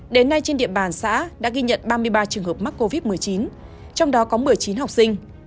đến nay trên địa bàn xã đã ghi nhận ba mươi ba trường hợp mắc covid một mươi chín trong đó có một mươi chín học sinh